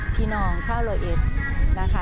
พี่น้องชาวโลเอ็ดนะคะ